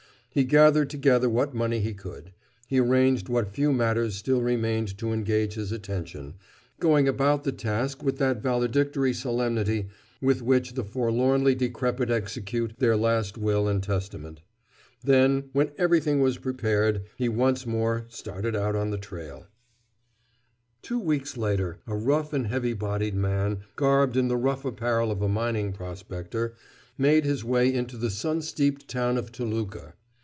He gathered together what money he could; he arranged what few matters still remained to engage his attention, going about the task with that valedictory solemnity with which the forlornly decrepit execute their last will and testament. Then, when everything was prepared, he once more started out on the trail. Two weeks later a rough and heavy bodied man, garbed in the rough apparel of a mining prospector, made his way into the sun steeped town of Toluca.